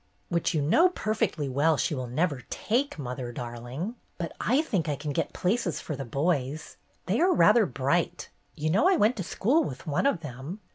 "Which you know perfectly well she will never take, mother, darling. But I think I can get places for the boys. They are rather bright. You know I went to school with one of them.